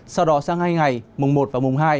sau đó sang hai ngày mùng một và mùng hai